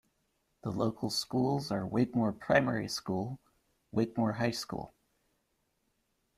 The local schools are Wigmore Primary school Wigmore High school.